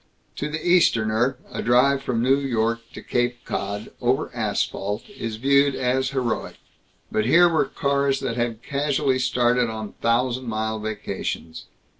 To the Easterner, a drive from New York to Cape Cod, over asphalt, is viewed as heroic, but here were cars that had casually started on thousand mile vacations.